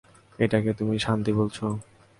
এটাকে তুমি শান্তি বলছ?